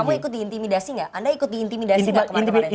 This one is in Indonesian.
kamu ikut diintimidasi nggak anda ikut diintimidasi nggak kemarin